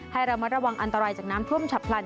ให้ระมัดระวังอันตรายจากน้ำท่วมฉับพลัน